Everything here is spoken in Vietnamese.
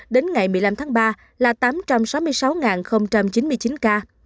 đến ngày một mươi năm tháng ba là tám trăm sáu mươi sáu chín mươi chín ca